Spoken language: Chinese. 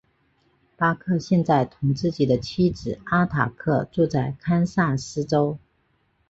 巴克现在同自己的妻子阿塔克住在堪萨斯州。